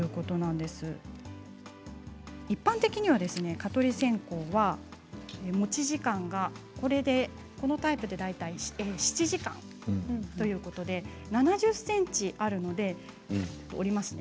一般的に蚊取り線香は持ち時間がこのタイプで大体７時間ということで、７０ｃｍあるので折りますね。